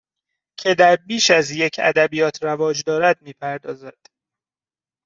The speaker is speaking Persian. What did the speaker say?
که در بیش از یک ادبیات رواج دارد می پردازد